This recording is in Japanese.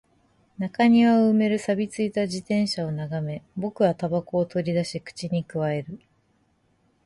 中庭を埋める錆び付いた自転車を眺め、僕は煙草を取り出し、口に咥える